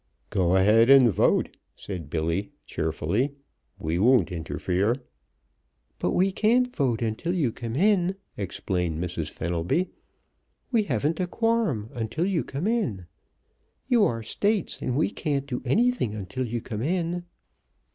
"Go ahead and vote," said Billy cheerfully. "We won't interfere." "But we can't vote until you come in," explained Mrs. Fenelby. "We haven't a quorum until you come in. You are States, and we can't do anything until you come in."